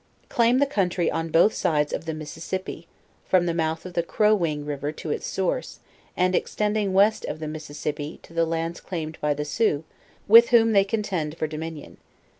Claim the country on both sides of the Mississippi, from the mouth of the Crow wing river to its source, arid extending west of the Mississipi to the lands claimed by the Sioux, with whom they contend for dominion.